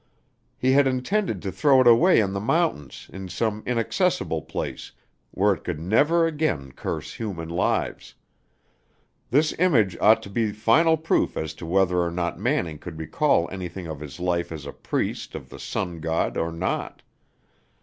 He had intended to throw it away in the mountains in some inaccessible place where it could never again curse human lives. This image ought to be final proof as to whether or not Manning could recall anything of his life as a priest of the Sun God or not.